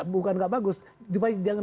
bukan enggak bagus juga jangan